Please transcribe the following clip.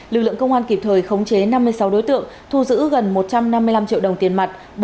lực lượng công an kịp thời khống chế năm mươi sáu đối tượng thu giữ gần một trăm năm mươi năm triệu đồng tiền mặt